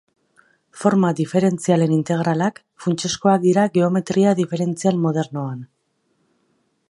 Forma diferentzialen integralak funtsezkoak dira geometria diferentzial modernoan.